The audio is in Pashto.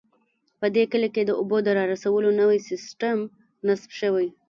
په دې کلي کې د اوبو د رارسولو نوی سیسټم نصب شوی